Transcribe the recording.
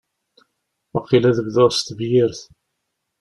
Waqil ad bduɣ s tebyirt.